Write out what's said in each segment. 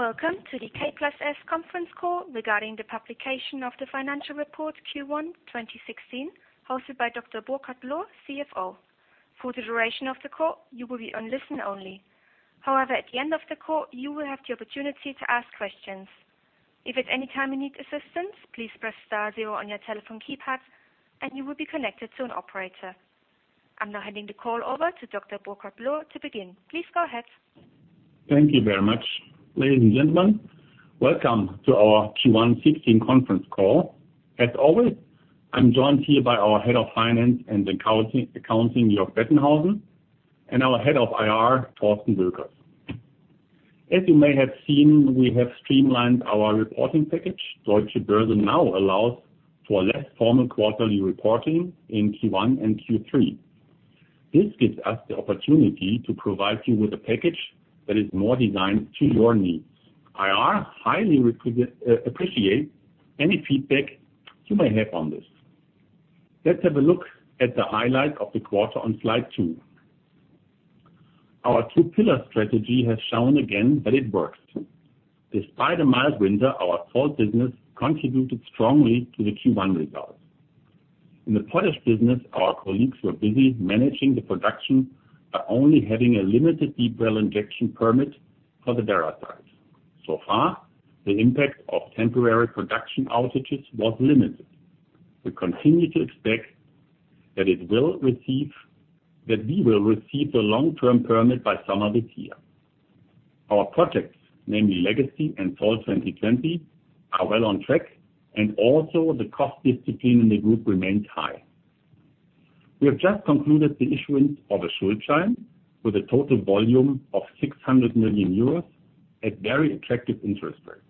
Welcome to the K+S conference call regarding the publication of the financial report Q1 2016, hosted by Dr. Burkhard Lohr, CFO. For the duration of the call, you will be on listen only. However, at the end of the call, you will have the opportunity to ask questions. If at any time you need assistance, please press star zero on your telephone keypad and you will be connected to an operator. I'm now handing the call over to Dr. Burkhard Lohr to begin. Please go ahead. Thank you very much. Ladies and gentlemen, welcome to our Q1-16 conference call. As always, I'm joined here by our Head of Finance and Accounting, Jörg Bettenhausen, and our Head of IR, Thorsten Boeckers. As you may have seen, we have streamlined our reporting package. Deutsche Börse now allows for less formal quarterly reporting in Q1 and Q3. This gives us the opportunity to provide you with a package that is more designed to your needs. IR highly appreciate any feedback you may have on this. Let's have a look at the highlight of the quarter on slide two. Our two pillar strategy has shown again that it works. Despite a mild winter, our salt business contributed strongly to the Q1 results. In the potash business, our colleagues were busy managing the production by only having a limited deep well injection permit for the Werra site. So far, the impact of temporary production outages was limited. We continue to expect that we will receive the long-term permit by summer this year. Our projects, namely Legacy and Salt 2020, are well on track, and also the cost discipline in the group remains high. We have just concluded the issuance of a Schuldschein with a total volume of 600 million euros at very attractive interest rates.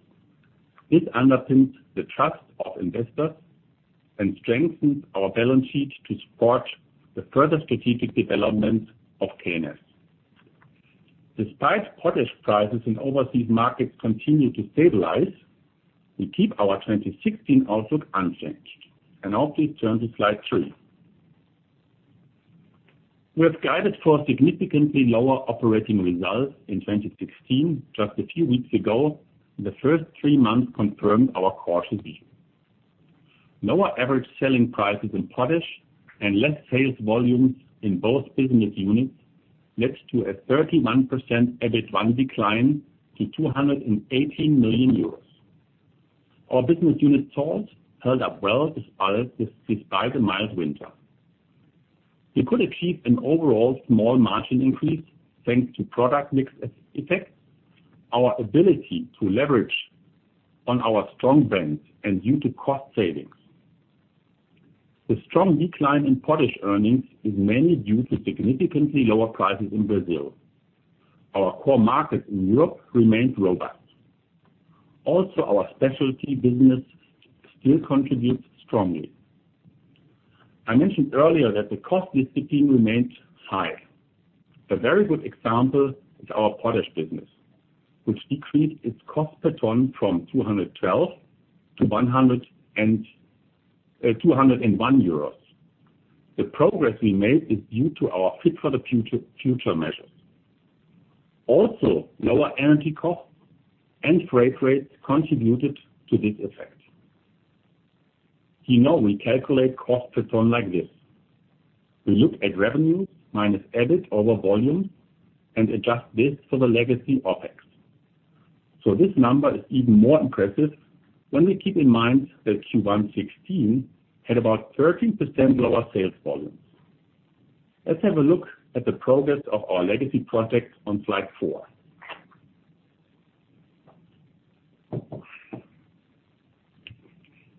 This underpins the trust of investors and strengthens our balance sheet to support the further strategic development of K+S. Despite potash prices in overseas markets continue to stabilize, we keep our 2016 outlook unchanged. Now please turn to slide three. We have guided for significantly lower operating results in 2016 just a few weeks ago, and the first three months confirmed our cautious view. Lower average selling prices in potash and less sales volumes in both business units led to a 31% EBIT1 decline to 218 million euros. Our business unit salt held up well despite the mild winter. We could achieve an overall small margin increase thanks to product mix effects, our ability to leverage on our strong brand, and due to cost savings. The strong decline in potash earnings is mainly due to significantly lower prices in Brazil. Our core market in Europe remains robust. Also, our specialty business still contributes strongly. I mentioned earlier that the cost discipline remains high. A very good example is our potash business, which decreased its cost per ton from 212 to 201 euros. The progress we made is due to our Fit for the Future measures. Also, lower energy costs and freight rates contributed to this effect. You know we calculate cost per ton like this. We look at revenues minus EBIT over volume and adjust this for the Legacy OpEx. This number is even more impressive when we keep in mind that Q1-16 had about 13% lower sales volumes. Let's have a look at the progress of our Legacy Project on slide four.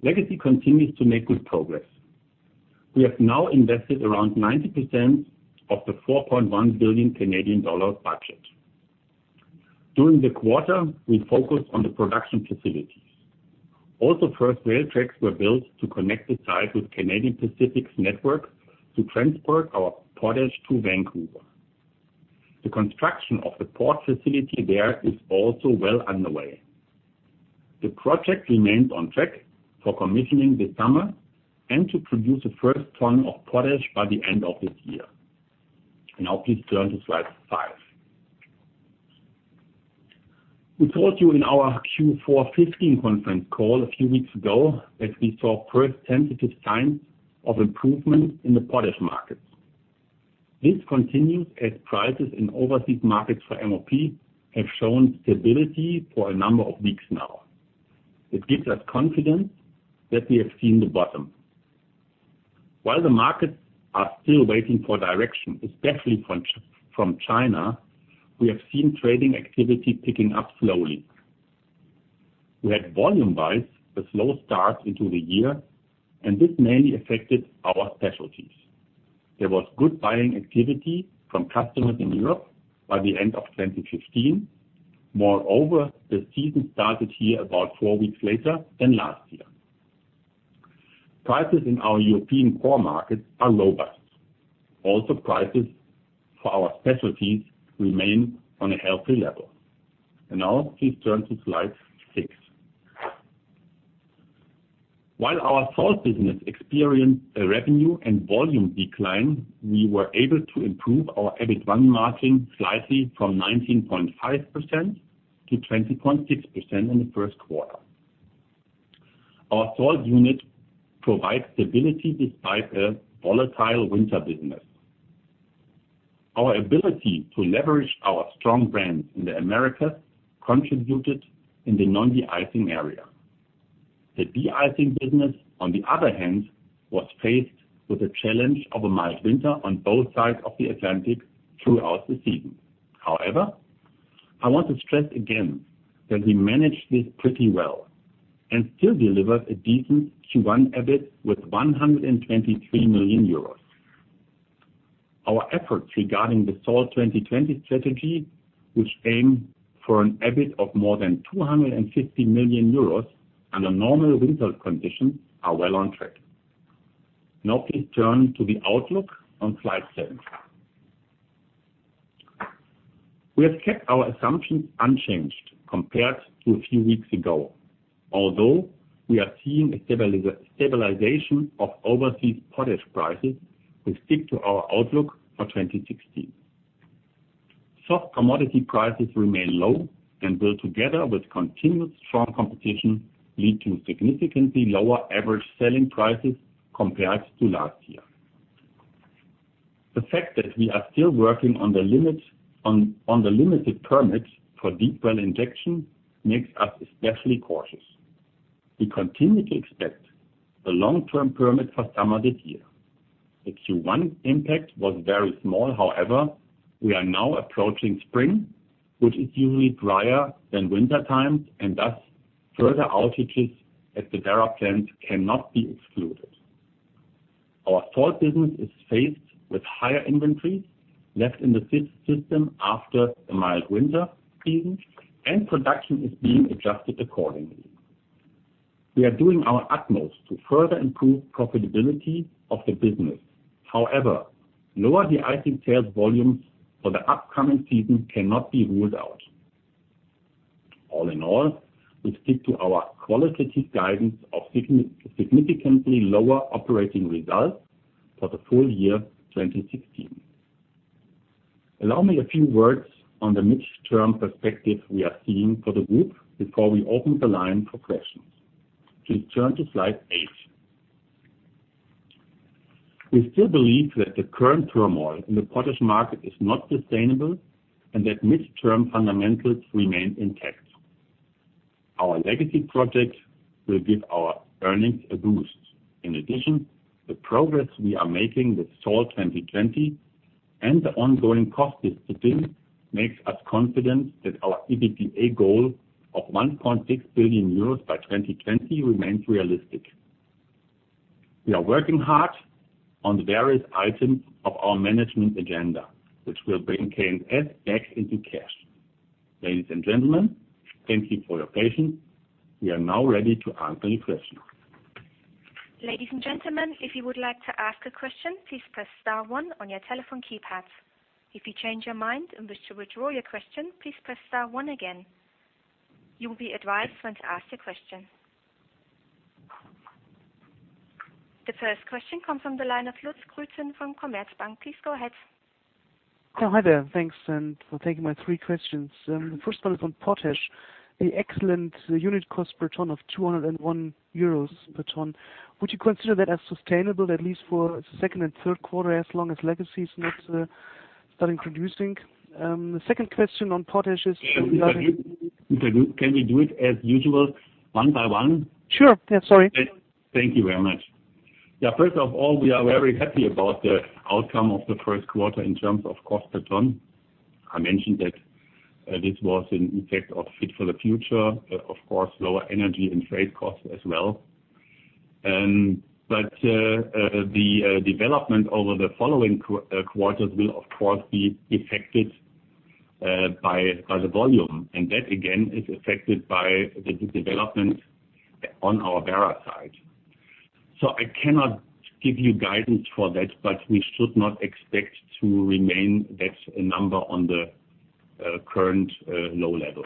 Legacy continues to make good progress. We have now invested around 90% of the 4.1 billion Canadian dollar budget. During the quarter, we focused on the production facilities. Also, first rail tracks were built to connect the site with Canadian Pacific's network to transport our potash to Vancouver. The construction of the port facility there is also well underway. The project remains on track for commissioning this summer and to produce the first ton of potash by the end of this year. Please turn to slide five. We told you in our Q4-15 conference call a few weeks ago that we saw first tentative signs of improvement in the potash markets. This continues as prices in overseas markets for MOP have shown stability for a number of weeks now. It gives us confidence that we have seen the bottom. While the markets are still waiting for direction, especially from China, we have seen trading activity picking up slowly. We had volume-wise a slow start into the year, and this mainly affected our specialties. There was good buying activity from customers in Europe by the end of 2015. Moreover, the season started here about four weeks later than last year. Prices in our European core markets are robust. Also, prices for our specialties remain on a healthy level. Please turn to slide six. While our salt business experienced a revenue and volume decline, we were able to improve our EBIT1 margin slightly from 19.5%-20.6% in the first quarter. Our salt unit provides stability despite a volatile winter business. Our ability to leverage our strong brands in the Americas contributed in the non-de-icing area. The de-icing business, on the other hand, was faced with the challenge of a mild winter on both sides of the Atlantic throughout the season. However, I want to stress again that we managed this pretty well and still delivered a decent Q1 EBIT with 123 million euros. Our efforts regarding the Salt 2020 strategy, which aim for an EBIT of more than 250 million euros under normal winter conditions, are well on track. Please turn to the outlook on slide seven. We have kept our assumptions unchanged compared to a few weeks ago. Although we are seeing a stabilization of overseas potash prices, we stick to our outlook for 2016. Soft commodity prices remain low and will, together with continued strong competition, lead to significantly lower average selling prices compared to last year. The fact that we are still working on the limited permits for deep well injection makes us especially cautious. We continue to expect the long-term permit for summer this year. The Q1 impact was very small. However, we are now approaching spring, which is usually drier than winter times, and thus further outages at the Werra plant cannot be excluded. Our salt business is faced with higher inventories left in the system after a mild winter season, and production is being adjusted accordingly. We are doing our utmost to further improve profitability of the business. However, lower de-icing sales volumes for the upcoming season cannot be ruled out. All in all, we stick to our qualitative guidance of significantly lower operating results for the full year 2016. Allow me a few words on the midterm perspective we are seeing for the group before we open the line for questions. Please turn to slide eight. We still believe that the current turmoil in the potash market is not sustainable and that midterm fundamentals remain intact. Our Legacy projects will give our earnings a boost. In addition, the progress we are making with Salt 2020 and the ongoing cost discipline makes us confident that our EBITDA goal of 1.6 billion euros by 2020 remains realistic. We are working hard on the various items of our management agenda, which will bring K+S back into cash. Ladies and gentlemen, thank you for your patience. We are now ready to answer any questions. Ladies and gentlemen, if you would like to ask a question, please press star one on your telephone keypad. If you change your mind and wish to withdraw your question, please press star one again. You will be advised when to ask your question. The first question comes from the line of Lutz Grüten from Commerzbank. Please go ahead. Hi there. Thanks for taking my three questions. The first one is on potash. The excellent unit cost per ton of 201 euros per ton, would you consider that as sustainable, at least for the second and third quarter, as long as Legacy is not starting producing? The second question on potash is- Can we do it as usual, one by one? Sure. Yeah, sorry. Thank you very much. Yeah, first of all, we are very happy about the outcome of the first quarter in terms of cost per ton. I mentioned that this was an effect of Fit for the Future, of course, lower energy and freight costs as well. The development over the following quarters will, of course, be affected by the volume, and that, again, is affected by the development on our Werra site. I cannot give you guidance for that, but we should not expect to remain that number on the current low level.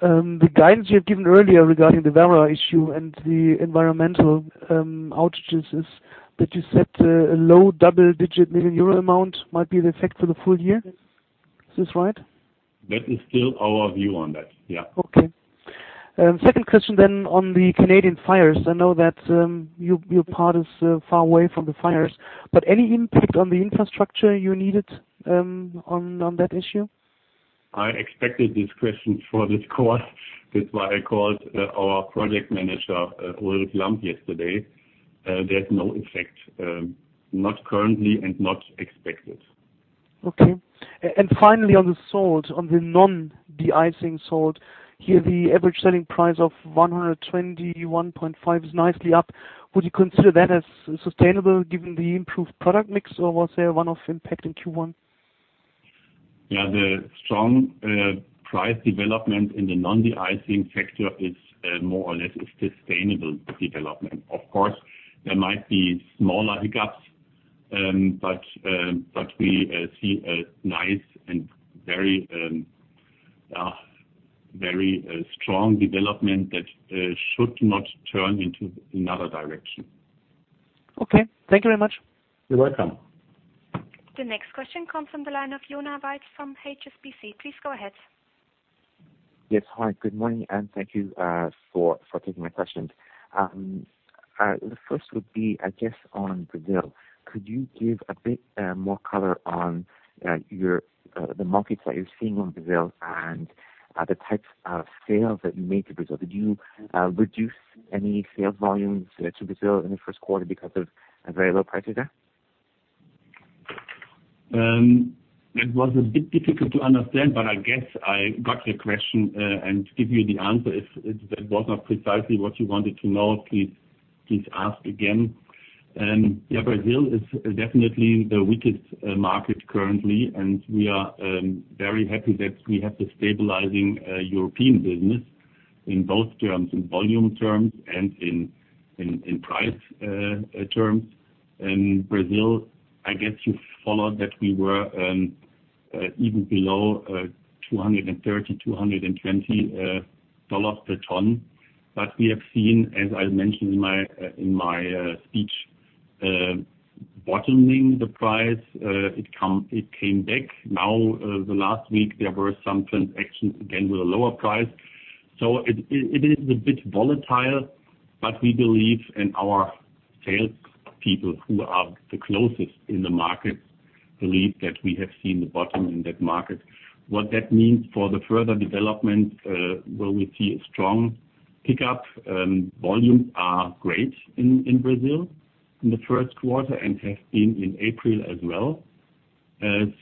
The guidance you have given earlier regarding the Werra issue and the environmental outages is that you set a low double-digit million EUR amount might be the effect for the full year. Is this right? That is still our view on that. Yeah. Okay. Second question on the Canadian fires. I know that your part is far away from the fires, any impact on the infrastructure you needed on that issue? I expected this question for this call. That's why I called our project manager, Will Lamp, yesterday. There's no effect, not currently and not expected. Okay. Finally, on the salt, on the non-de-icing salt, here the average selling price of 121.5 is nicely up. Would you consider that as sustainable given the improved product mix, was there a one-off impact in Q1? Yeah, the strong price development in the non-de-icing sector is more or less a sustainable development. Of course, there might be smaller hiccups we see a nice and very strong development that should not turn into another direction. Okay. Thank you very much. You're welcome. The next question comes from the line of Joachim Bernecker from HSBC. Please go ahead. Yes. Hi, good morning, and thank you for taking my questions. The first would be, I guess, on Brazil. Could you give a bit more color on the markets that you're seeing on Brazil and the types of sales that you made to Brazil? Did you reduce any sales volumes to Brazil in the first quarter because of very low prices there? It was a bit difficult to understand, but I guess I got your question and give you the answer. If that was not precisely what you wanted to know, please ask again. Yeah, Brazil is definitely the weakest market currently, and we are very happy that we have the stabilizing European business, in both terms, in volume terms and in price terms. In Brazil, I guess you followed that we were even below $230, $220 per ton. We have seen, as I mentioned in my speech, bottoming the price. It came back. The last week, there were some transactions, again, with a lower price. It is a bit volatile, but we believe, and our sales people who are the closest in the market, believe that we have seen the bottom in that market. What that means for the further development, will we see a strong pickup? Volumes are great in Brazil in the first quarter and have been in April as well. The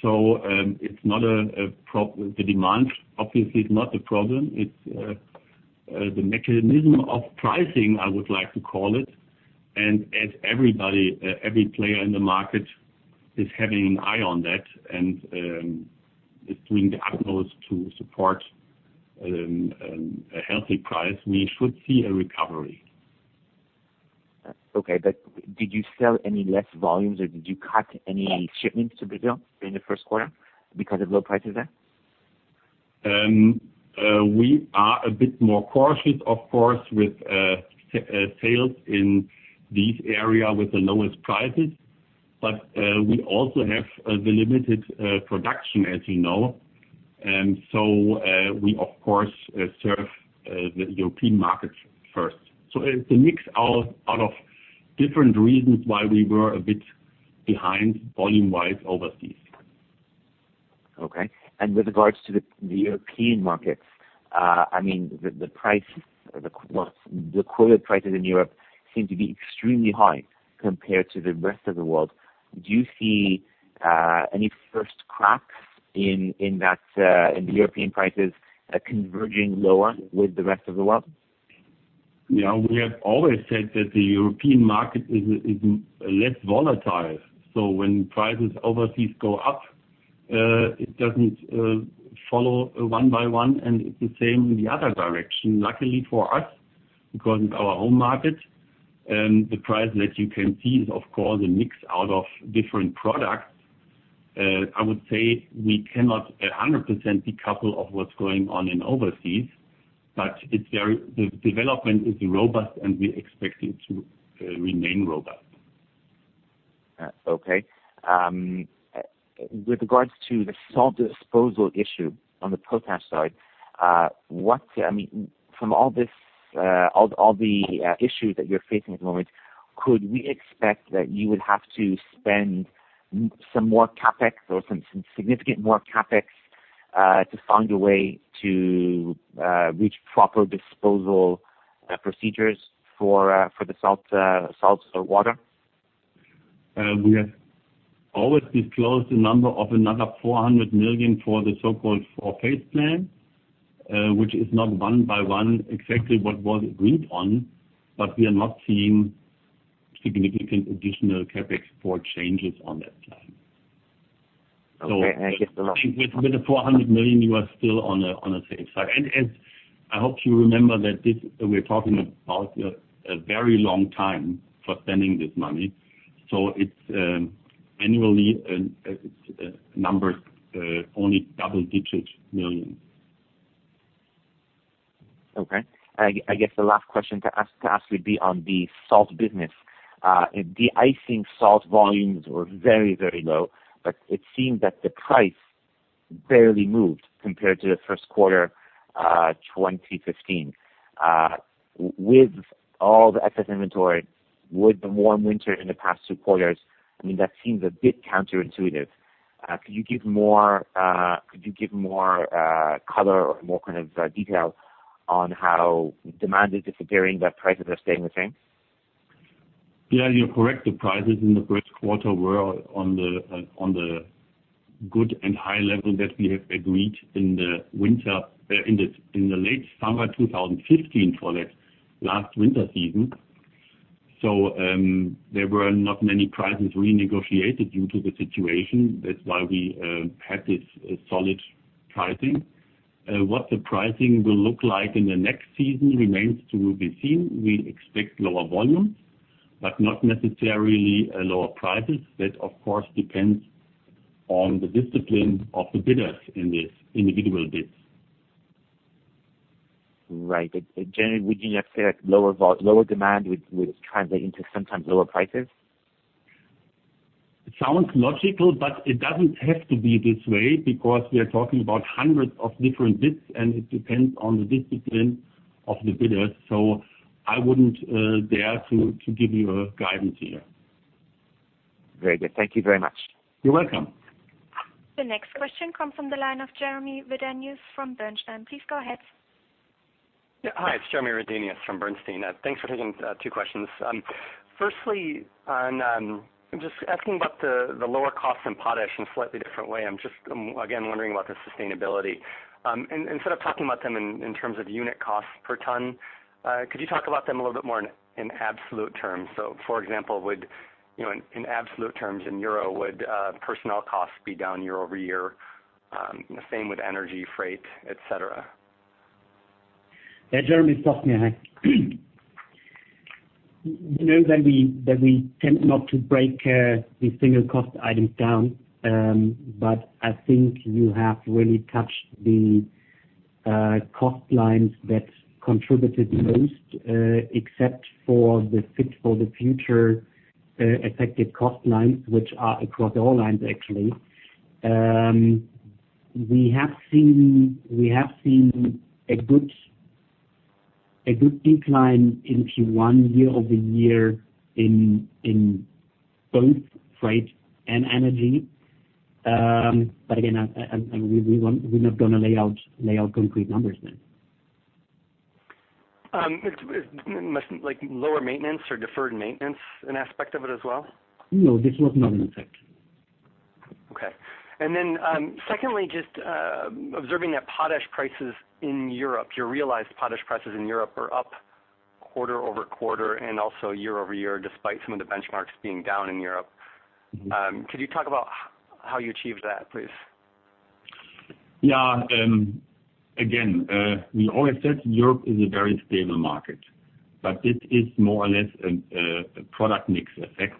demand obviously is not the problem. It's the mechanism of pricing, I would like to call it, and every player in the market is having an eye on that and is doing the utmost to support a healthy price. We should see a recovery. Okay. Did you sell any less volumes, or did you cut any shipments to Brazil in the first quarter because of low prices there? We are a bit more cautious, of course, with sales in these area with the lowest prices. We also have the limited production, as you know. We, of course, serve the European market first. It's a mix of different reasons why we were a bit behind volume-wise overseas. Okay. With regards to the European market, the quoted prices in Europe seem to be extremely high compared to the rest of the world. Do you see any first cracks in the European prices converging lower with the rest of the world? Yeah. We have always said that the European market is less volatile. When prices overseas go up, it doesn't follow one by one, and it's the same in the other direction. Luckily for us, because it's our home market, the price that you can see is, of course, a mix out of different products. I would say we cannot 100% decouple of what's going on in overseas, but the development is robust, and we expect it to remain robust. Okay. With regards to the salt disposal issue on the potash side, from all the issues that you're facing at the moment, could we expect that you would have to spend some more CapEx or some significant more CapEx to find a way to reach proper disposal procedures for the salt or water? We have always disclosed the number of another 400 million for the so-called four-phase plan, which is not one by one exactly what was agreed on, but we are not seeing significant additional CapEx for changes on that plan. Okay. With the 400 million, you are still on a safe side. As I hope you remember that we're talking about a very long time for spending this money. It's annually a number only double-digit million. Okay. I guess the last question to ask would be on the salt business. De-icing salt volumes were very, very low, it seemed that the price barely moved compared to the first quarter 2015. With all the excess inventory, with the warm winter in the past two quarters, that seems a bit counterintuitive. Could you give more color or more kind of detail on how demand is disappearing, but prices are staying the same? Yeah, you're correct. The prices in the first quarter were on the good and high level that we have agreed in the late summer 2015 for that last winter season. There were not many prices renegotiated due to the situation. That's why we had this solid pricing. What the pricing will look like in the next season remains to be seen. We expect lower volumes, not necessarily lower prices. That, of course, depends on the discipline of the bidders in the individual bids. Right. Generally, wouldn't you expect lower demand would translate into sometimes lower prices? It sounds logical, but it doesn't have to be this way because we are talking about hundreds of different bids, and it depends on the discipline of the bidders. I wouldn't dare to give you a guidance here. Very good. Thank you very much. You're welcome. The next question comes from the line of Jeremy Redenius from Bernstein. Please go ahead. Yeah. Hi, it's Jeremy Redenius from Bernstein. Thanks for taking two questions. Firstly, I'm just asking about the lower cost in potash in a slightly different way. I'm just, again, wondering about the sustainability. Instead of talking about them in terms of unit cost per ton, could you talk about them a little bit more in absolute terms? For example, in absolute terms, in EUR, would personnel costs be down year-over-year? Same with energy, freight, et cetera. Yeah, Jeremy, it's Thorsten. You know that we tend not to break the single cost items down. I think you have really touched the cost lines that contributed most, except for the Fit for the Future affected cost lines, which are across all lines, actually. We have seen a good decline in Q1 year-over-year in both freight and energy. Again, we're not going to lay out complete numbers. Isn't, like, lower maintenance or deferred maintenance an aspect of it as well? No, this was not an effect. Okay. Secondly, just observing that potash prices in Europe, your realized potash prices in Europe are up quarter-over-quarter and also year-over-year, despite some of the benchmarks being down in Europe. Could you talk about how you achieved that, please? Yeah. Again, we always said Europe is a very stable market, but it is more or less a product mix effect.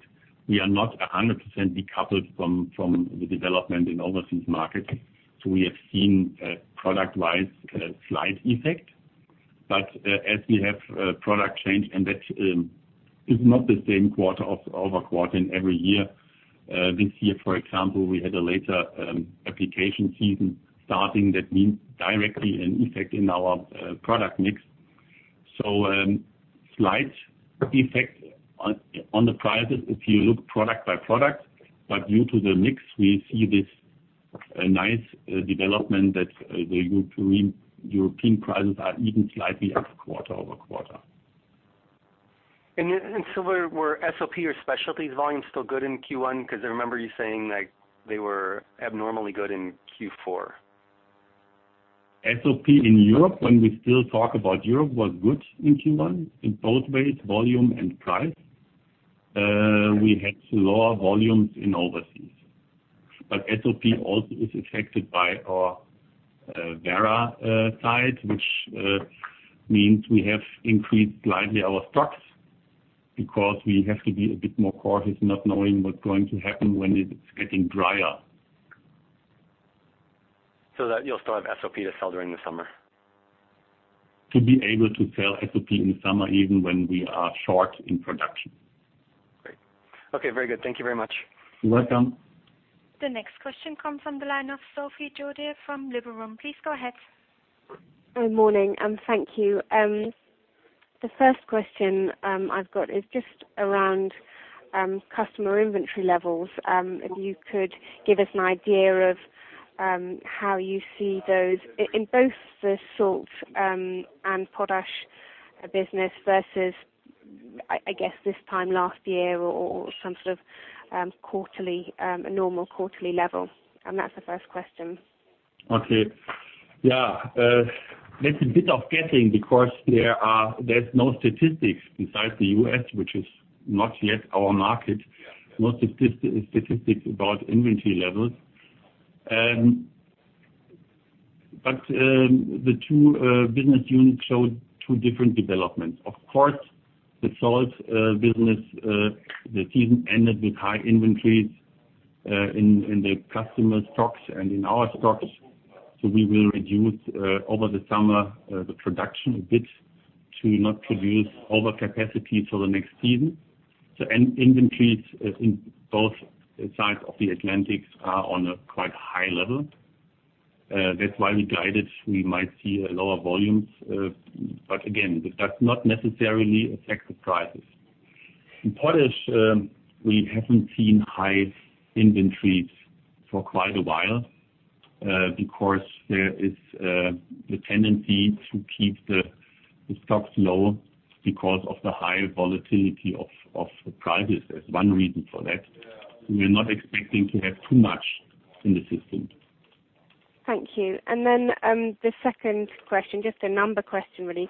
We are not 100% decoupled from the development in overseas markets. We have seen a product-wise slight effect. As we have product change, and that is not the same quarter-over-quarter every year. This year, for example, we had a later application season starting. That means directly an effect in our product mix. Slight effect on the prices if you look product by product, but due to the mix, we see this nice development that the European prices are even slightly up quarter-over-quarter. Were SOP or specialties volumes still good in Q1? Because I remember you saying they were abnormally good in Q4. SOP in Europe, when we still talk about Europe, was good in Q1 in both ways, volume and price. We had lower volumes in overseas. SOP also is affected by our Werra site, which means we have increased slightly our stocks because we have to be a bit more cautious not knowing what's going to happen when it is getting drier. You'll still have SOP to sell during the summer? To be able to sell SOP in summer even when we are short in production. Great. Okay, very good. Thank you very much. You're welcome. The next question comes from the line of Sophie Jourdier from Liberum. Please go ahead. Good morning, thank you. The first question I've got is just around customer inventory levels. If you could give us an idea of how you see those in both the salt and potash business versus, I guess, this time last year or some sort of normal quarterly level. That's the first question. Okay. Yeah. That's a bit of guessing because there's no statistics besides the U.S., which is not yet our market. No statistics about inventory levels. The two business units showed two different developments. Of course, the salt business, the season ended with high inventories in the customer stocks and in our stocks. We will reduce over the summer the production a bit to not produce overcapacity for the next season. Inventories in both sides of the Atlantics are on a quite high level. That's why we guided we might see a lower volume. Again, that does not necessarily affect the prices. In potash, we haven't seen high inventories for quite a while because there is the tendency to keep the stocks low because of the high volatility of the prices. There's one reason for that. We're not expecting to have too much in the system. Thank you. The second question, just a number question, really.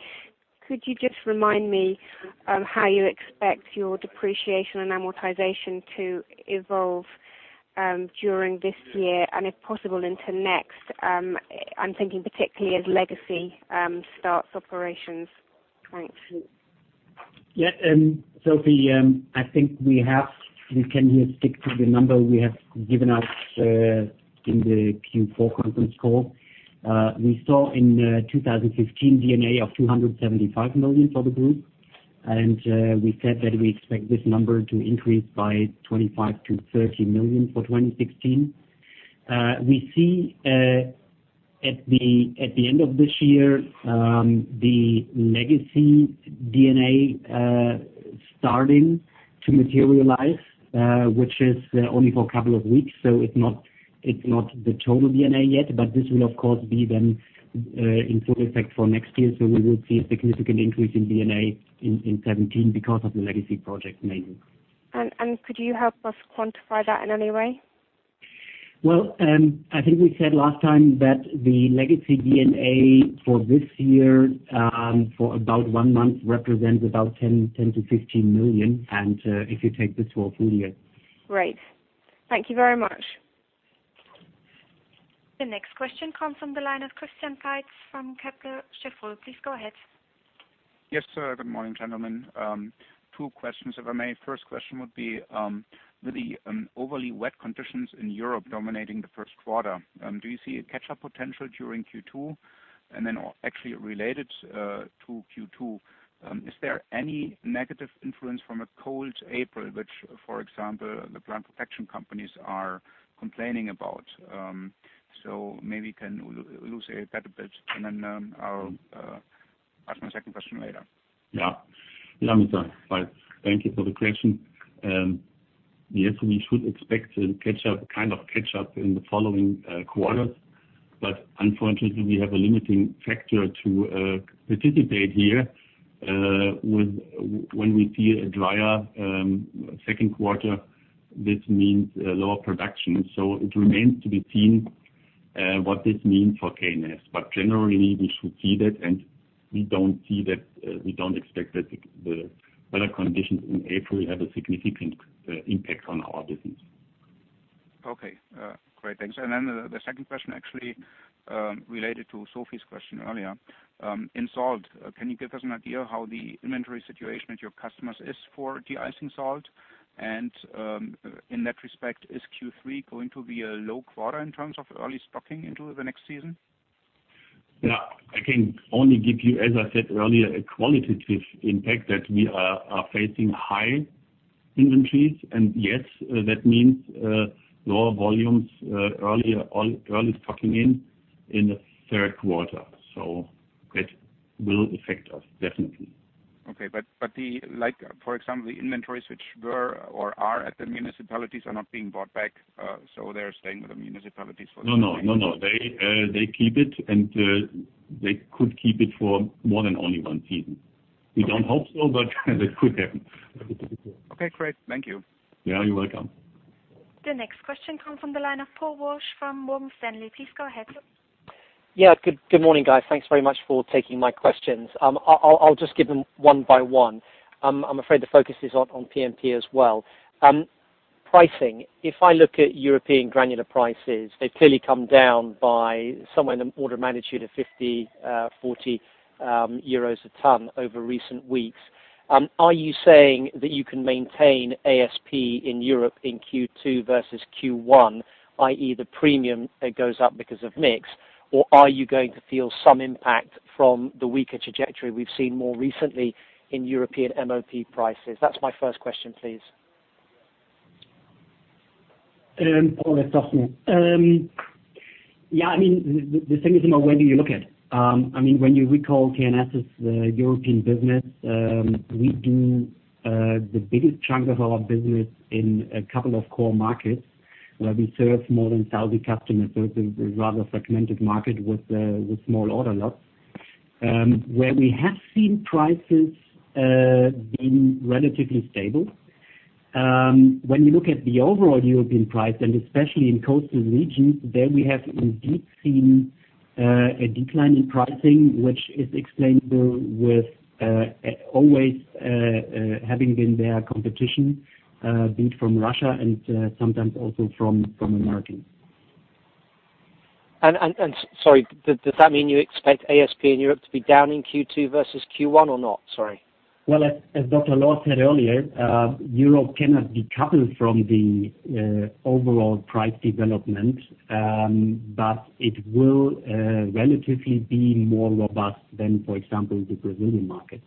Could you just remind me how you expect your Depreciation and Amortization to evolve during this year, and if possible into next. I'm thinking particularly as Legacy starts operations. Thanks. Yeah, Sophie, I think we can here stick to the number we have given out in the Q4 conference call. We saw in 2015 D&A of 275 million for the group. We said that we expect this number to increase by 25 million-30 million for 2016. We see at the end of this year, the Legacy D&A starting to materialize, which is only for a couple of weeks, so it's not the total D&A yet, but this will, of course, be then in full effect for next year. We will see a significant increase in D&A in 2017 because of the Legacy Project mainly. Could you help us quantify that in any way? Well, I think we said last time that the Legacy D&A for this year, for about one month, represents about 10 million-15 million, and if you take this for a full year. Great. Thank you very much. The next question comes from the line of Christian Faitz from Kepler Cheuvreux. Please go ahead. Yes, sir. Good morning, gentlemen. Two questions, if I may. First question would be, with the overly wet conditions in Europe dominating the first quarter, do you see a catch-up potential during Q2? Actually related to Q2, is there any negative influence from a cold April, which, for example, the plant protection companies are complaining about? Maybe you can elucidate a bit and then I'll ask my second question later. Thank you for the question. We should expect to kind of catch up in the following quarters, unfortunately, we have a limiting factor to participate here. When we see a drier second quarter, this means lower production. It remains to be seen what this means for K+S, generally we should see that, we don't expect that the weather conditions in April have a significant impact on our business. Okay. Great. Thanks. The second question actually related to Sophie's question earlier. In salt, can you give us an idea how the inventory situation at your customers is for de-icing salt? In that respect, is Q3 going to be a low quarter in terms of early stocking into the next season? I can only give you, as I said earlier, a qualitative impact that we are facing high inventories. That means lower volumes early stocking in the third quarter. It will affect us definitely. Okay. For example, the inventories which were or are at the municipalities are not being bought back, they're staying with the municipalities for the time being. No. They keep it, and they could keep it for more than only one season. We don't hope so, but that could happen. Okay, great. Thank you. Yeah, you're welcome. The next question comes from the line of Paul Walsh from Morgan Stanley. Please go ahead. Yeah. Good morning, guys. Thanks very much for taking my questions. I'll just give them one by one. I'm afraid the focus is on P&P as well. Pricing, if I look at European granular prices, they've clearly come down by somewhere in the order of magnitude of 50, 40 euros a ton over recent weeks. Are you saying that you can maintain ASP in Europe in Q2 versus Q1, i.e., the premium that goes up because of mix, or are you going to feel some impact from the weaker trajectory we've seen more recently in European MOP prices? That's my first question, please. Yeah. The thing is about where do you look at? When you recall K+S' European business, we do the biggest chunk of our business in a couple of core markets where we serve more than 1,000 customers. It's a rather segmented market with small order lots, where we have seen prices being relatively stable. When you look at the overall European price, and especially in coastal regions, there we have indeed seen a decline in pricing, which is explainable with always having in there competition, be it from Russia and sometimes also from Americans. Sorry, does that mean you expect ASP in Europe to be down in Q2 versus Q1 or not? Sorry. Well, as Dr. Lohr said earlier, Europe cannot be coupled from the overall price development, but it will relatively be more robust than, for example, the Brazilian market.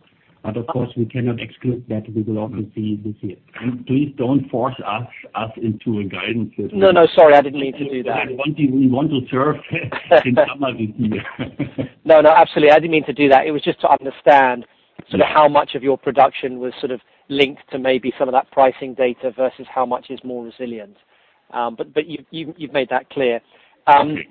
Of course, we cannot exclude that we will also see this year. Please don't force us into a guidance here. No, sorry. I didn't mean to do that. One thing we want to serve in summer this year. No, absolutely. I didn't mean to do that. It was just to understand sort of how much of your production was sort of linked to maybe some of that pricing data versus how much is more resilient. You've made that clear. Okay.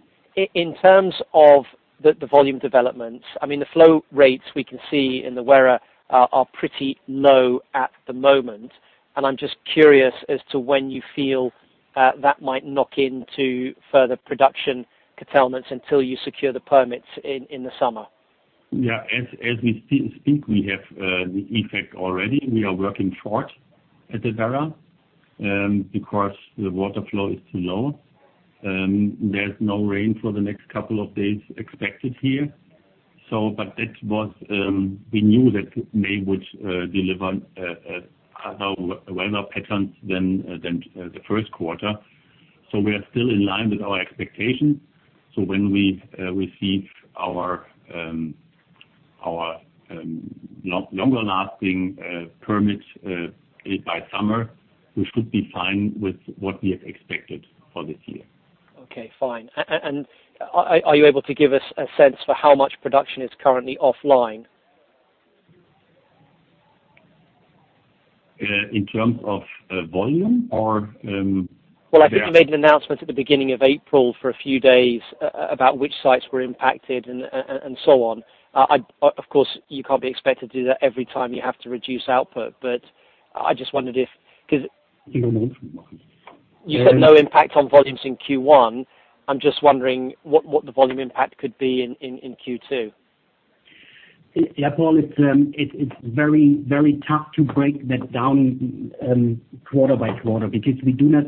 In terms of the volume developments, the flow rates we can see in the Werra are pretty low at the moment. I'm just curious as to when you feel that might knock into further production curtailments until you secure the permits in the summer. Yeah. As we speak, we have the effect already. We are working short at the Werra because the water flow is too low. There's no rain for the next couple of days expected here. We knew that May would deliver other weather patterns than the first quarter. We are still in line with our expectations. When we receive our longer-lasting permit by summer, we should be fine with what we have expected for this year. Okay, fine. Are you able to give us a sense for how much production is currently offline? In terms of volume or capacity? Well, I think you made an announcement at the beginning of April for a few days about which sites were impacted and so on. Of course, you can't be expected to do that every time you have to reduce output, but I just wondered if. No impact on volumes. You said no impact on volumes in Q1. I'm just wondering what the volume impact could be in Q2. Yeah, Paul, it is very tough to break that down quarter by quarter because we do not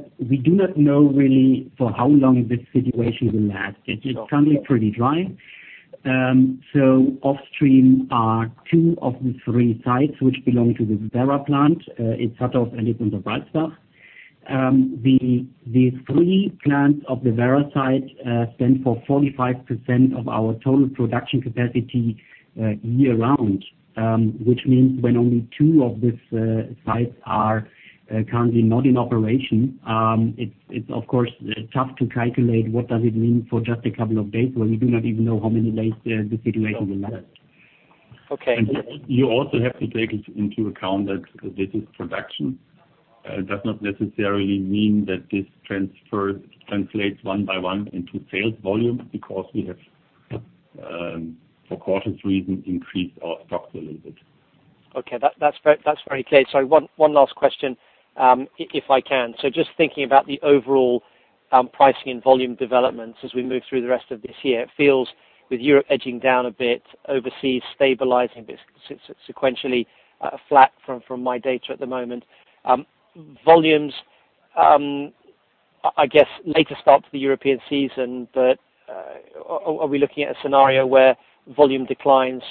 know really for how long this situation will last. It is currently pretty dry. Offstream are two of the three sites which belong to the Werra plant in Hattorf and in Breitscheid. The three plants of the Werra site stand for 45% of our total production capacity year-round. Which means when only two of these sites are currently not in operation, it is of course tough to calculate what does it mean for just a couple of days when we do not even know how many days the situation will last. Okay. You also have to take into account that this is production. It does not necessarily mean that this translates one by one into sales volume because we have, for caution reasons, increased our stocks a little bit. Okay. That's very clear. Sorry, one last question, if I can. Just thinking about the overall pricing and volume developments as we move through the rest of this year, it feels with Europe edging down a bit, overseas stabilizing, but sequentially flat from my data at the moment. Volumes, I guess later start to the European season, but are we looking at a scenario where volume declines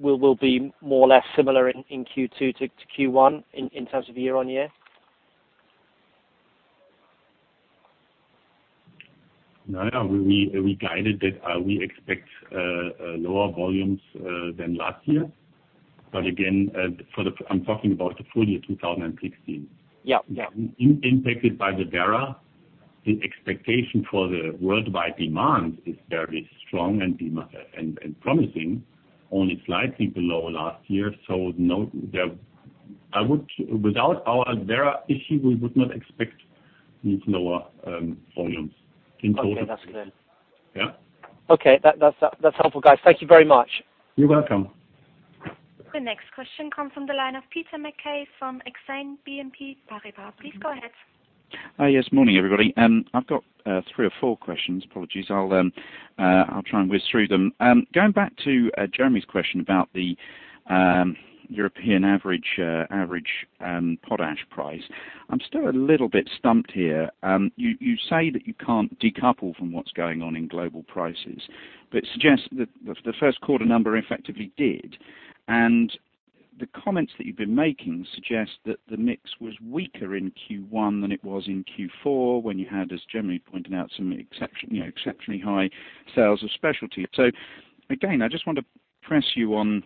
will be more or less similar in Q2 to Q1 in terms of year-on-year? No, we guided that we expect lower volumes than last year. Again, I am talking about the full year 2016. Yeah. Impacted by the Werra, the expectation for the worldwide demand is very strong and promising, only slightly below last year. Without our Werra issue, we would not expect lower volumes in total. Okay. That's clear. Yeah. Okay. That's helpful, guys. Thank you very much. You're welcome. The next question comes from the line of Peter MacKay from Exane BNP Paribas. Please go ahead. Hi. Yes. Morning, everybody. I've got three or four questions. Apologies, I'll try and whiz through them. Going back to Jeremy's question about the European average potash price. I'm still a little bit stumped here. You say that you can't decouple from what's going on in global prices, but suggest that the first quarter number effectively did. The comments that you've been making suggest that the mix was weaker in Q1 than it was in Q4 when you had, as Jeremy pointed out, some exceptionally high sales of specialty. Again, I just want to press you on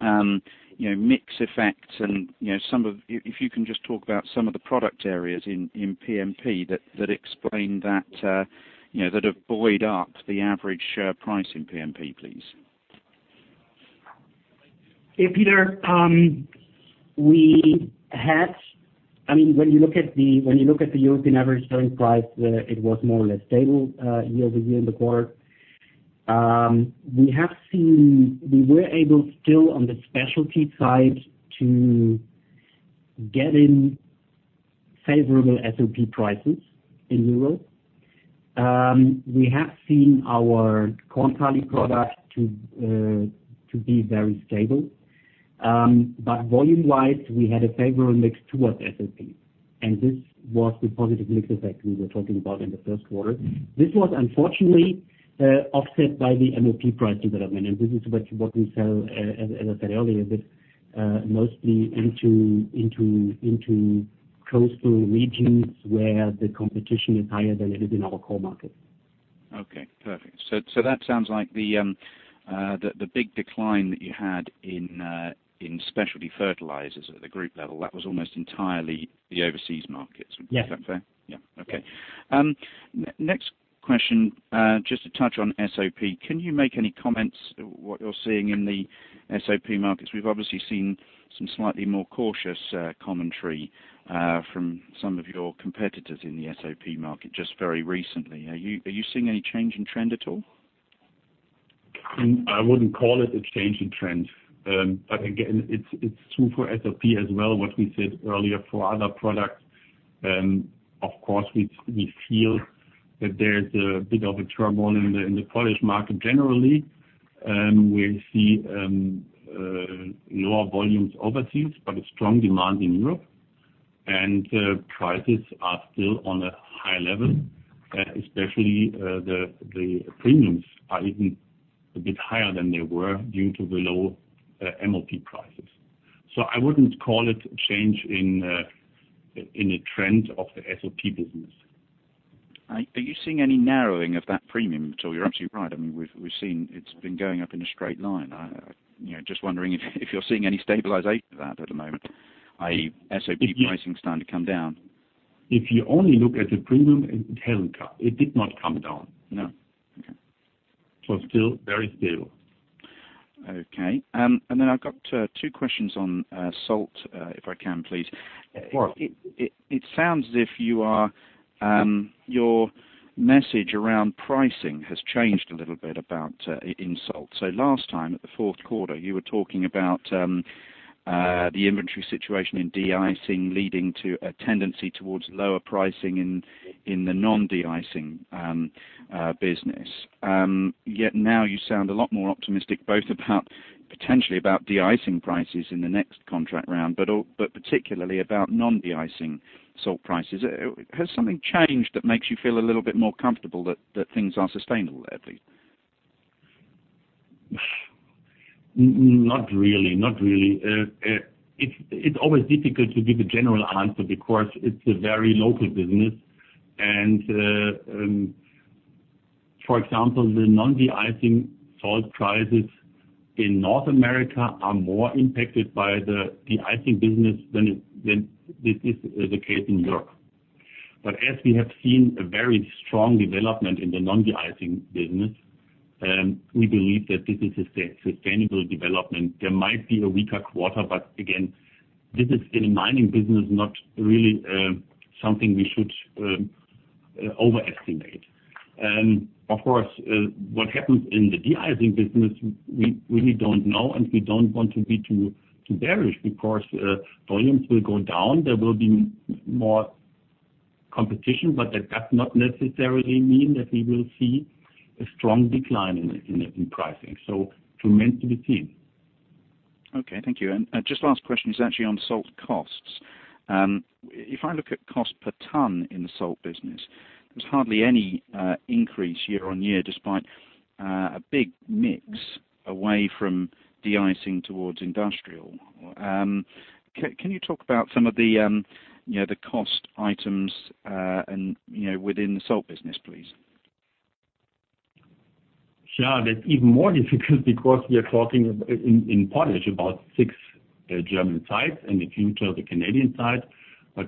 mix effects and if you can just talk about some of the product areas in P&P that explain that have buoyed up the average selling price in P&P, please. Hey, Peter. When you look at the European average selling price, it was more or less stable year-over-year in the quarter. We were able still on the specialty side to get in favorable SOP prices in Europe. We have seen our Korn-Kali product to be very stable. Volume-wise, we had a favorable mix towards SOP, and this was the positive mix effect we were talking about in the first quarter. This was unfortunately, offset by the MOP price development, and this is what we sell, as I said earlier, but mostly into coastal regions where the competition is higher than it is in our core market. Okay, perfect. That sounds like the big decline that you had in specialty fertilizers at the group level, that was almost entirely the overseas markets. Yes. Is that fair? Yeah. Okay. Next question, just to touch on SOP, can you make any comments what you're seeing in the SOP markets? We've obviously seen some slightly more cautious commentary from some of your competitors in the SOP market just very recently. Are you seeing any change in trend at all? I wouldn't call it a change in trend. Again, it's true for SOP as well, what we said earlier for other products, of course, we feel that there is a bit of a trouble in the potash market generally. We see lower volumes overseas, but a strong demand in Europe. Prices are still on a high level, especially the premiums are even a bit higher than they were due to the low MOP prices. I wouldn't call it a change in a trend of the SOP business. Are you seeing any narrowing of that premium, Till? You're absolutely right. We've seen it's been going up in a straight line. I'm just wondering if you're seeing any stabilization of that at the moment, i.e., SOP pricing starting to come down. If you only look at the premium in Heliga, it did not come down. No. Okay. It's still very stable. I've got two questions on salt, if I can, please. Of course. It sounds as if your message around pricing has changed a little bit about in salt. Last time, at the fourth quarter, you were talking about the inventory situation in de-icing leading to a tendency towards lower pricing in the non-de-icing business. Now you sound a lot more optimistic, both about potentially about de-icing prices in the next contract round, but particularly about non-de-icing salt prices. Has something changed that makes you feel a little bit more comfortable that things are sustainable there, please? Not really. It's always difficult to give a general answer because it's a very local business. For example, the non-de-icing salt prices in North America are more impacted by the de-icing business than is the case in Europe. As we have seen a very strong development in the non-de-icing business, we believe that this is a sustainable development. There might be a weaker quarter, again, this is in a mining business, not really something we should overestimate. Of course, what happens in the de-icing business, we really don't know, and we don't want to be too bearish because volumes will go down. There will be more competition, but that does not necessarily mean that we will see a strong decline in pricing. Too meant to be seen. Okay, thank you. Just last question is actually on salt costs. If I look at cost per ton in the salt business, there's hardly any increase year-over-year, despite a big mix away from de-icing towards industrial. Can you talk about some of the cost items within the salt business, please? Sure. That's even more difficult because we are talking in potash about six German sites and if you include the Canadian site.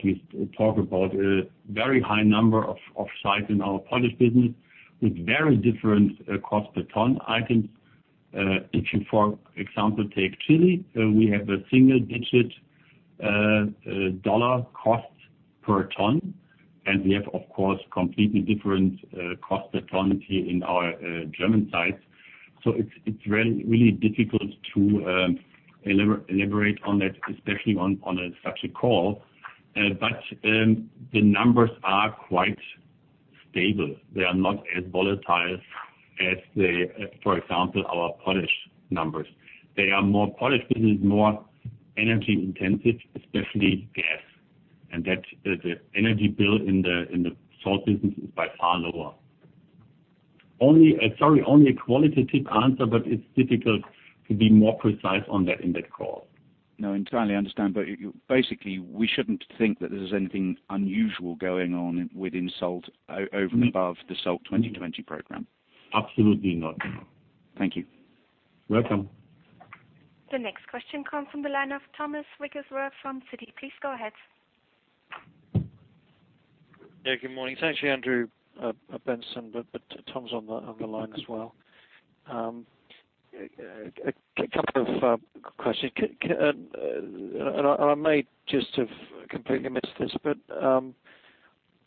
We talk about a very high number of sites in our potash business with very different cost per ton items. If you, for example, take Chile, we have a single-digit EUR cost per ton, and we have, of course, completely different cost per ton here in our German sites. It's really difficult to elaborate on that, especially on such a call. The numbers are quite stable. They are not as volatile as, for example, our potash numbers. The potash business is more energy intensive, especially gas, and that the energy bill in the salt business is by far lower. Only a qualitative answer, but it's difficult to be more precise on that in that call. No, entirely understand. Basically, we shouldn't think that there's anything unusual going on within salt over and above the Salt 2020 program? Absolutely not. Thank you. Welcome. The next question comes from the line of Thomas Wrigglesworth from Citi. Please go ahead. Good morning. It's actually Andrew Benson, but Tom's on the line as well. A couple of questions. I may just have completely missed this, but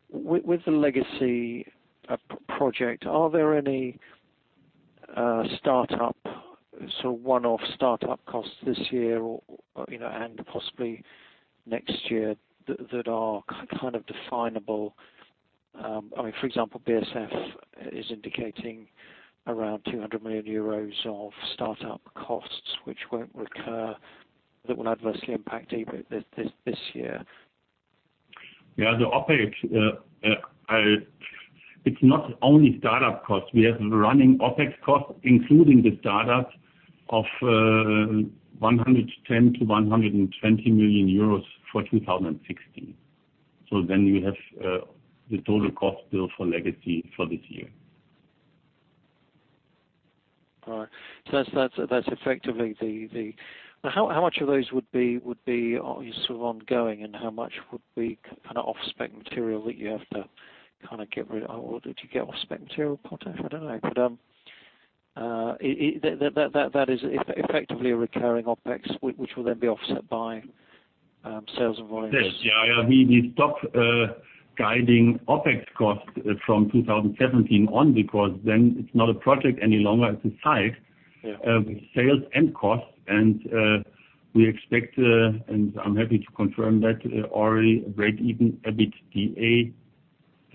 with the Legacy Project, are there any one-off startup costs this year and possibly next year that are definable? For example, BASF is indicating around 200 million euros of startup costs which won't recur that will adversely impact EBIT this year. Yeah. The OpEx, it's not only startup costs. We have running OpEx costs, including the startups of 110 million-120 million euros for 2016. You have the total cost bill for Legacy for this year. All right. How much of those would be ongoing, and how much would be off-spec material that you have to get rid? Or did you get off-spec material, potash? I don't know. That is effectively a recurring OpEx, which will then be offset by sales volumes. Yes. We stop guiding OpEx costs from 2017 on, because then it's not a project any longer, it's a site. Yeah with sales and costs. We expect, and I'm happy to confirm that already, a break-even,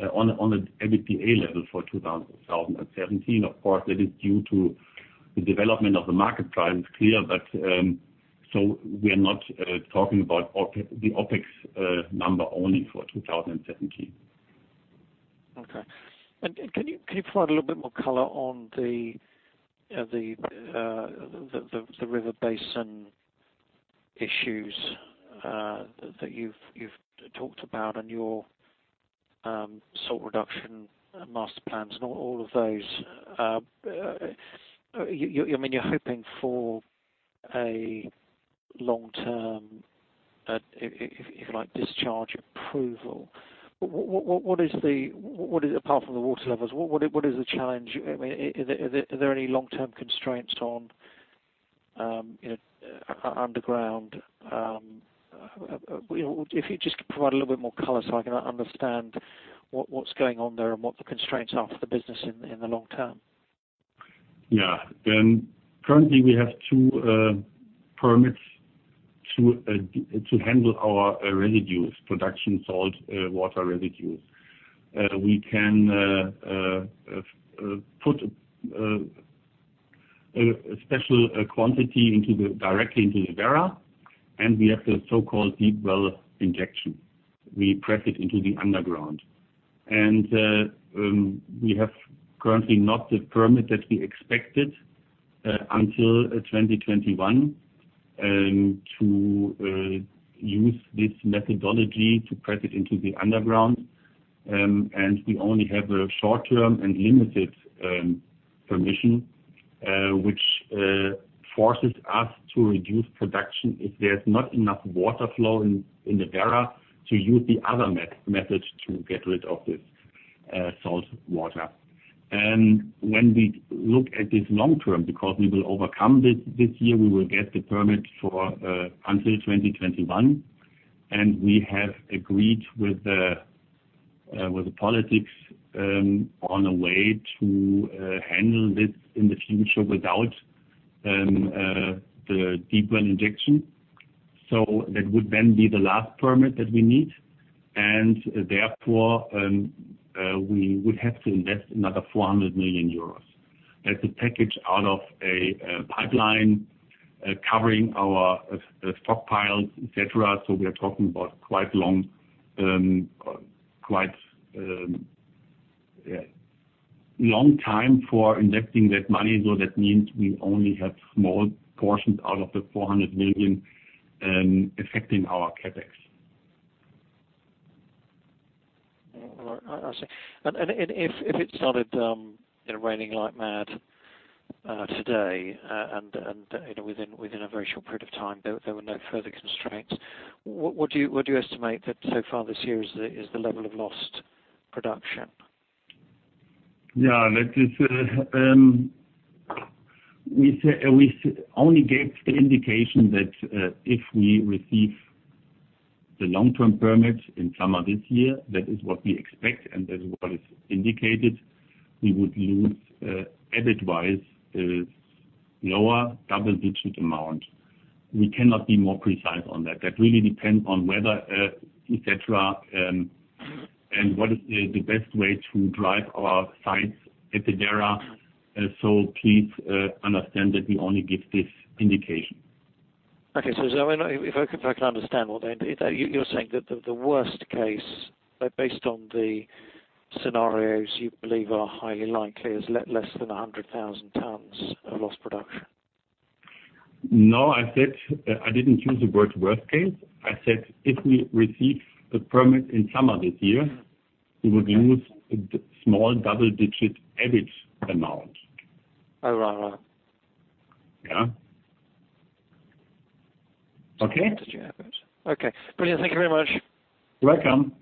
on an EBITDA level for 2017. Of course, that is due to the development of the market price. It's clear that we are not talking about the OpEx number only for 2017. Okay. Can you provide a little bit more color on the river basin issues that you have talked about and your salt reduction master plans and all of those. You are hoping for a long-term, if you like, discharge approval. Apart from the water levels, what is the challenge? Are there any long-term constraints on underground? Just provide a little bit more color so I can understand what is going on there and what the constraints are for the business in the long term. Yeah. Currently we have two permits to handle our residues, production salt water residues. We can put a special quantity directly into the Werra, and we have the so-called deep well injection. We press it into the underground. We have currently not the permit that we expected until 2021 to use this methodology to press it into the underground. We only have a short-term and limited permission, which forces us to reduce production if there is not enough water flow in the Werra to use the other method to get rid of this salt water. When we look at this long-term, because we will overcome this year, we will get the permit until 2021, and we have agreed with the politics on a way to handle this in the future without the deep well injection. That would then be the last permit that we need, and therefore, we would have to invest another 400 million euros. That is a package out of a pipeline covering our stockpiles, et cetera. We are talking about quite long time for investing that money. That means we only have small portions out of the 400 million affecting our CapEx. I see. If it started raining like mad today and within a very short period of time, there were no further constraints. What do you estimate that so far this year is the level of lost production? Yeah. We only gave the indication that if we receive the long-term permit in summer this year, that is what we expect, and that is what is indicated. We would lose, EBIT wise, lower double-digit amount. We cannot be more precise on that. That really depends on weather, et cetera, and what is the best way to drive our sites at the Werra. Please understand that we only give this indication. Okay. If I can understand what that is, you're saying that the worst case, based on the scenarios you believe are highly likely, is less than 100,000 tons of lost production. No, I didn't use the word worst case. I said if we receive the permit in summer this year, we would lose a small double-digit EBIT amount. Right. Yeah. Okay? Okay. Brilliant, thank you very much. You're welcome.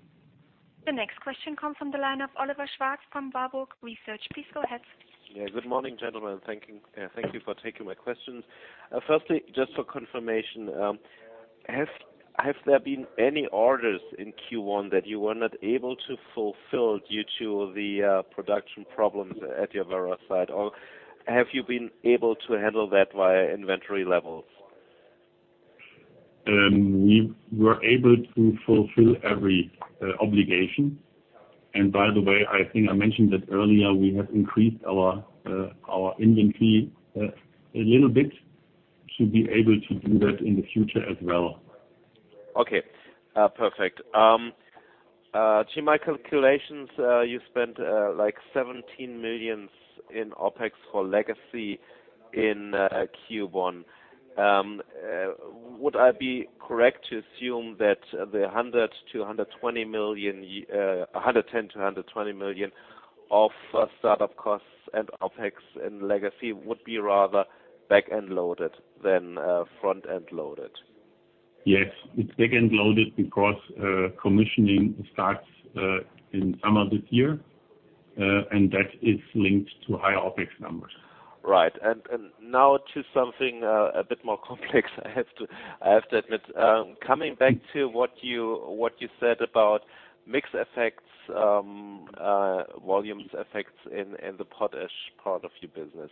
The next question comes from the line of Oliver Schwarz from Warburg Research. Please go ahead. Yeah. Good morning, gentlemen. Thank you for taking my questions. Firstly, just for confirmation, have there been any orders in Q1 that you were not able to fulfill due to the production problems at your Werra site, or have you been able to handle that via inventory levels? We were able to fulfill every obligation. By the way, I think I mentioned that earlier, we have increased our inventory a little bit to be able to do that in the future as well. Okay, perfect. To my calculations, you spent 17 million in OpEx for Legacy in Q1. Would I be correct to assume that the 110 million to 120 million of startup costs and OpEx in Legacy would be rather back-end loaded than front-end loaded? Yes. It's back-end loaded because commissioning starts in summer this year. That is linked to higher OpEx numbers. Right. Now to something a bit more complex, I have to admit. Coming back to what you said about mix effects, volumes effects in the potash part of your business.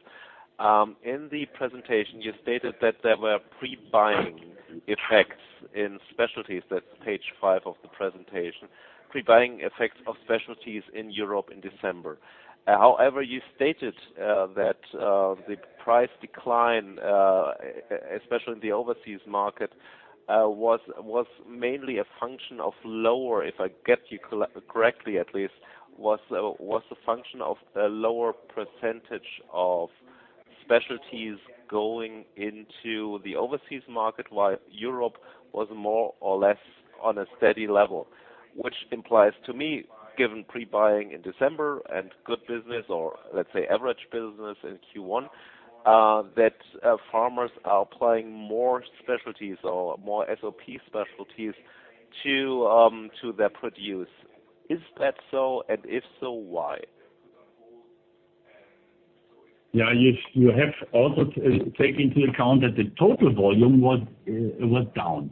In the presentation, you stated that there were pre-buying effects in specialties. That's page five of the presentation. Pre-buying effects of specialties in Europe in December. However, you stated that the price decline, especially in the overseas market, was mainly a function of lower, if I get you correctly, at least, was a function of a lower percentage of specialties going into the overseas market, while Europe was more or less on a steady level. Which implies to me, given pre-buying in December and good business or let's say average business in Q1, that farmers are applying more specialties or more SOP specialties to their produce. Is that so? If so, why? Yeah. You have also take into account that the total volume was down.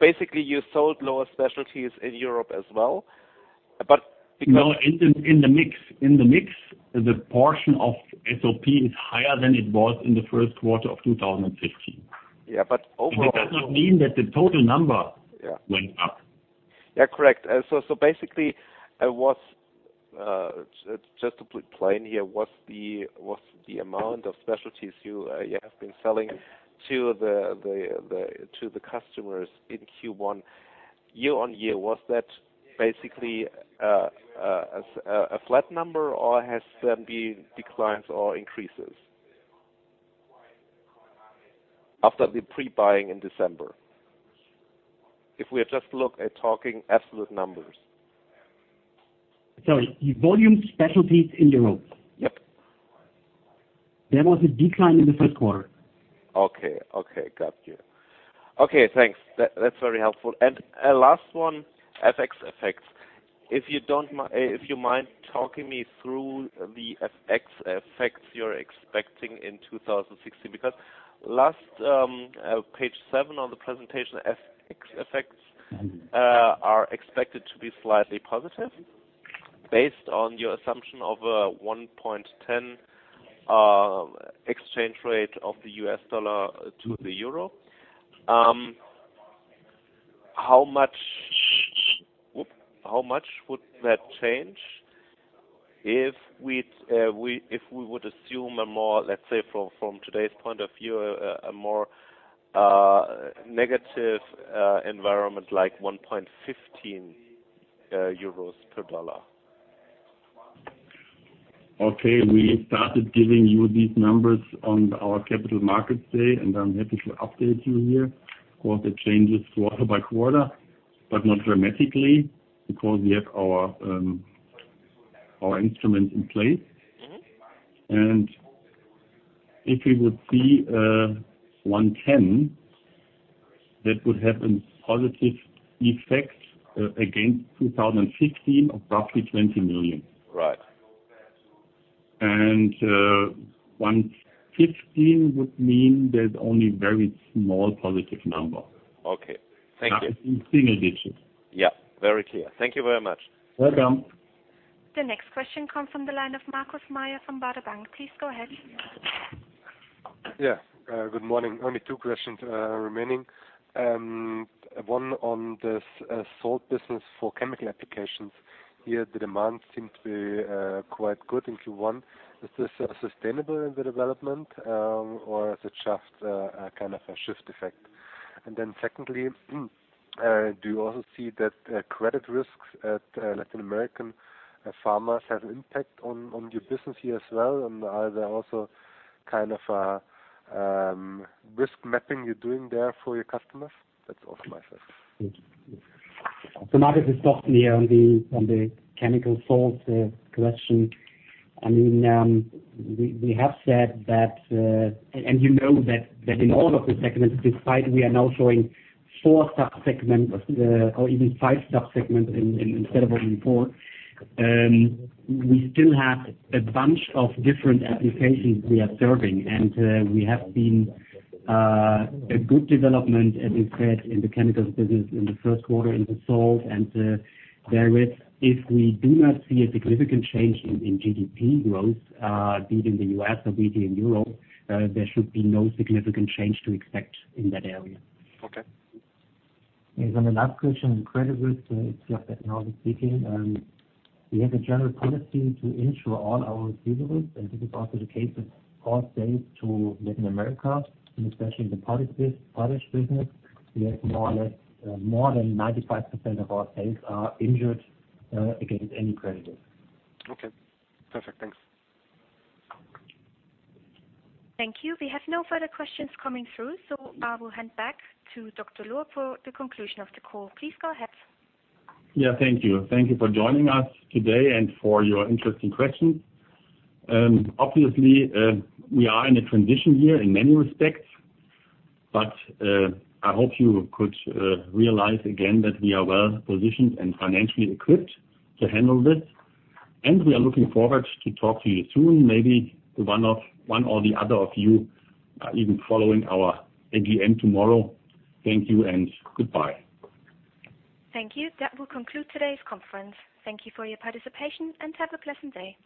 Basically, you sold lower specialties in Europe as well, but because. No, in the mix, the portion of SOP is higher than it was in the first quarter of 2015. Yeah, but overall. It does not mean that the total number went up. Yeah. Correct. Basically, just to be plain here, what's the amount of specialties you have been selling to the customers in Q1 year-on-year? Was that basically a flat number, or has there been declines or increases? After the pre-buying in December. If we just look at talking absolute numbers. Sorry, volume specialties in Europe? Yep. There was a decline in the first quarter. Okay. Got you. Okay, thanks. That's very helpful. A last one, FX effects. If you mind talking me through the FX effects you're expecting in 2016, because last, page seven on the presentation, FX effects are expected to be slightly positive based on your assumption of a 1.10 exchange rate of the US dollar to the euro. How much would that change if we would assume a more, let's say from today's point of view, a more negative environment, like 1.15 euros per dollar? Okay. We started giving you these numbers on our capital markets day. I'm happy to update you here. Of course, it changes quarter by quarter, not dramatically because we have our instruments in place. If we would see a 1.10, that would have a positive effect against 2016 of roughly 20 million. Right. 1.15 would mean there's only very small positive number. Okay. Thank you. Nothing but single digits. Yeah, very clear. Thank you very much. Welcome. The next question comes from the line of Markus Mayer from Baader Bank. Please go ahead. Good morning. Only two questions remaining. One on the salt business for chemical applications. Here, the demand seems to be quite good in Q1. Is this sustainable in the development, or is it just a kind of a shift effect? Secondly, do you also see that credit risks at Latin American farmers have an impact on your business here as well? Are there also risk mapping you're doing there for your customers? That's all from my side. Markus, it's Thorsten here on the chemical salt collection. We have said that, and you know that in all of the segments, despite we are now showing four sub-segments or even five sub-segments instead of only four, we still have a bunch of different applications we are serving. We have seen a good development, as we said, in the chemicals business in the first quarter in the salt. Therewith, if we do not see a significant change in GDP growth, be it in the U.S. or be it in Europe, there should be no significant change to expect in that area. Okay. On the last question on credit risk, it's just that now we're speaking, we have a general policy to insure all our receivables, and this is also the case for sales to Latin America, and especially in the potash business. We have more than 95% of our sales are insured against any credit risk. Okay. Perfect. Thanks. Thank you. We have no further questions coming through. I will hand back to Dr. Lohr for the conclusion of the call. Please go ahead. Yeah, thank you. Thank you for joining us today and for your interesting questions. Obviously, we are in a transition year in many respects. I hope you could realize again that we are well-positioned and financially equipped to handle this. We are looking forward to talk to you soon, maybe to one or the other of you, even following our AGM tomorrow. Thank you and goodbye. Thank you. That will conclude today's conference. Thank you for your participation and have a pleasant day.